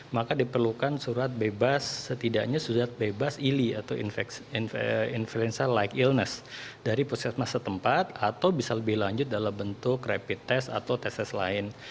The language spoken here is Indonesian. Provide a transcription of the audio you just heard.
maka diperlukan surat bebas setidaknya surat bebas ili atau influenza like illness dari pusat mas setempat atau bisa lebih lanjut dalam bentuk rapid test atau tes tes lain